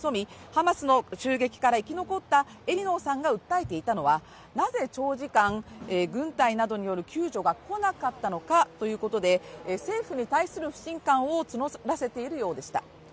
ハマスの襲撃から生き残ったエリノーさんが訴えていたのはなぜ長時間、軍隊などによる救助が来なかったのかということで政府に対する不信感を募らせているようでした